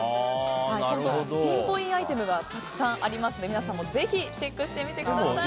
ピンポイントアイテムがたくさんありますので皆さんもぜひチェックしてみてください。